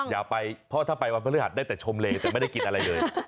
อย่าไปเพราะถ้าไปวันพฤหัสได้แต่ชมเลแต่ไม่ได้กินอะไรเลย